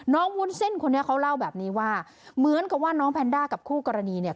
วุ้นเส้นคนนี้เขาเล่าแบบนี้ว่าเหมือนกับว่าน้องแพนด้ากับคู่กรณีเนี่ย